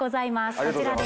こちらです。